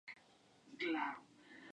Familia Economía Cultura Mercados Tradición